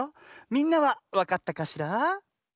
みんなはわかったかしら？